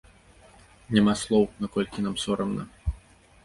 Няма слоў, наколькі нам сорамна!